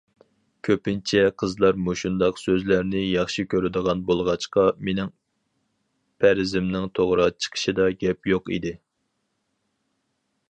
كۆپىنچە قىزلار مۇشۇنداق سۆزلەرنى ياخشى كۆرىدىغان بولغاچقا، مېنىڭ پەرىزىمنىڭ توغرا چىقىشىدا گەپ يوق ئىدى.